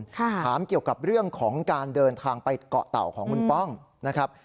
ถามเกี่ยวกับเรื่องของการเดินทางไปเกาะเต่าของคุณป้องนะครับ